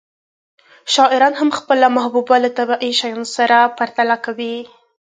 شاعران هم خپله محبوبه له طبیعي شیانو سره پرتله کوي